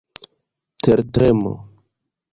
tertremo